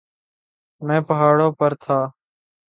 . میں پہاڑوں پر تھا.